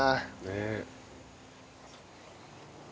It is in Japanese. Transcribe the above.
ねえ。